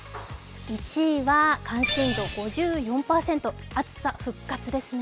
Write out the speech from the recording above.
１位は関心度５４％、暑さ復活ですね。